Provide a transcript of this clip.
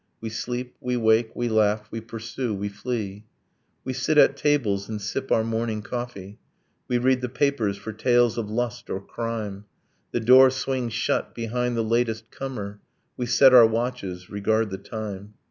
We sleep, we wake, we laugh, we pursue, we flee. We sit at tables and sip our morning coffee, We read the papers for tales of lust or crime. The door swings shut behind the latest comer. We set our watches, regard the time.